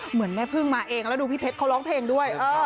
เหมือนแม่พึ่งมาเองแล้วดูพี่เพชรเขาร้องเพลงด้วย